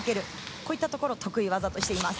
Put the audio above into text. こういったところを得意技としています。